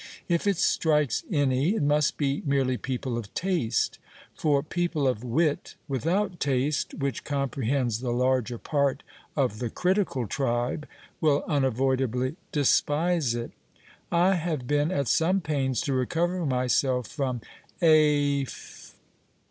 If it strikes any, it must be merely people of taste; for people of wit without taste, which comprehends the larger part of the critical tribe, will unavoidably despise it. I have been at some pains to recover myself from A.